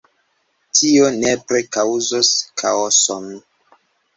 Tio nepre kaŭzos kaoson.